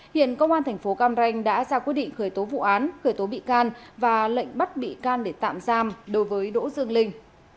hiện công an thành phố cam ranh đã ra quyết định khởi tố vụ án khởi tố bị can và lệnh bắt bị can để tạm giam đối với đỗ dương linh